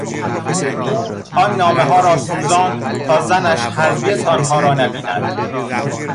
او آن نامهها را سوزاند تا زنش هرگز آنها را نبیند.